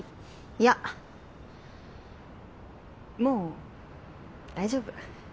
いやもう大丈夫。